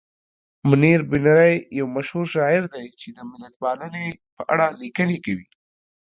منیر بونیری یو مشهور شاعر دی چې د ملتپالنې په اړه لیکنې کوي.